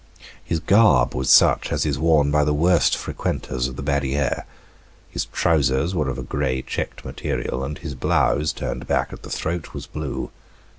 His garb was such as is worn by the worst frequenters of the barriere. His trousers were of a gray checked material, and his blouse, turned back at the throat, was blue.